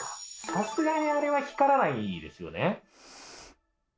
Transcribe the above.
さすがにあれは光らないですよね？